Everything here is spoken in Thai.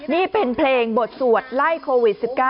นี่เป็นเพลงบทสวดไล่โควิด๑๙